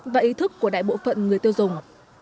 và ý thức của đại bộ phận người tiêu dùng